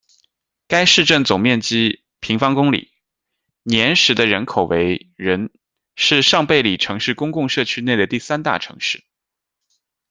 该市镇总面积平方公里，年时的人口为人，是尚贝里城市公共社区内的第三大城市。